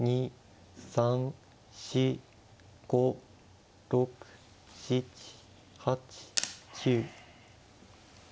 ３４５６７８９。